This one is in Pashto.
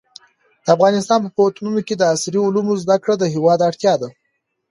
د افغانستان په پوهنتونونو کې د عصري علومو زده کړه د هېواد اړتیا ده.